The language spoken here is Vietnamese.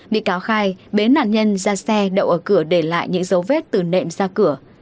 bị cáo khai bế nạn nhân ra xe đậu ở cửa để lại những dấu vết từ nệm ra cửa